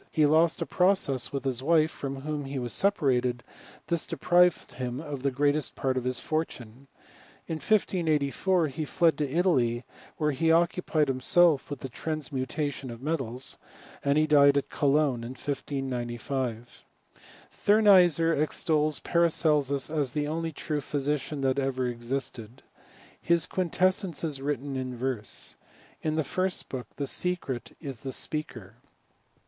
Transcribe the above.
He lost a process with his wife, from whom ^ Was separated ; this deprived him of the greatest prt of his fortune. In 1584 he fled to Italy, where "^ occupied himself with the transmutation of metals, I '^d he died at Cologne in 1595. j . Thumeysser extols Paracelsus as the only ti'ue phy " ?*cian that ever existed. His Quintessence is written ^^ verse. In the first book The Secret is the speaker.